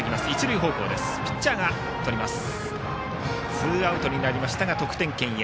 ツーアウトになりましたが得点圏へ。